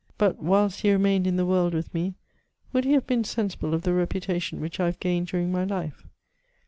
But, whilst he remained in the world with me, would he have been sensible of the reputation which I have gained during my life?